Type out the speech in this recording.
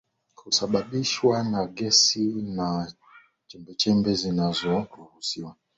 husababishwa na gesi na chembechembe zinazoruhusiwa